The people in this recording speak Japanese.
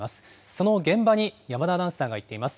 その現場に山田アナウンサーが行っています。